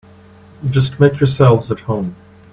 Just make yourselves at home.